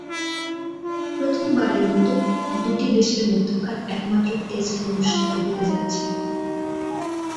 প্রথমবারের মতো দুটি দেশের মধ্যকার একমাত্র টেস্ট অনুষ্ঠিত হতে যাচ্ছে।